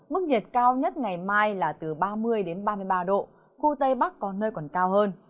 mức nhiệt cao nhất ngày mai là từ ba mươi ba mươi ba độ khu tây bắc có nơi còn cao hơn